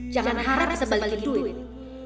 jangan harap sebalikin duit